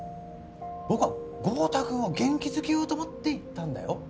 僕は豪太くんを元気づけようと思って言ったんだよ。